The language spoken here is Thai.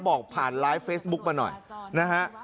บอกผ่านไลฟ์เฟซบุ๊กมาหน่อยนะฮะ